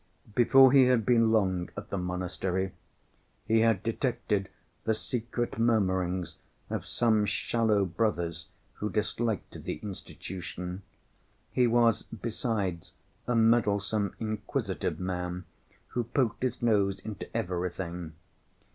Before he had been long at the monastery, he had detected the secret murmurings of some shallow brothers who disliked the institution. He was, besides, a meddlesome, inquisitive man, who poked his nose into everything.